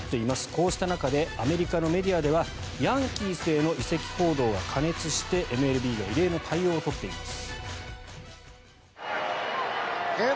こうした中でアメリカのメディアではヤンキースへの移籍報道が過熱して、ＭＬＢが異例の対応を取っています。